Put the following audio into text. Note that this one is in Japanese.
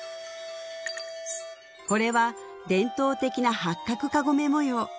これは伝統的な八角籠目模様